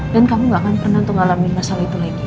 dan kamu gak akan pernah ngalamin masalah itu lagi ya